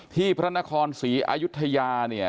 ที่พระนครศรีอยุธยา